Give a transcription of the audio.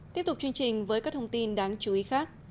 tiếp tục chương trình với các thông tin đáng chú ý khác